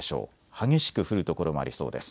激しく降る所もありそうです。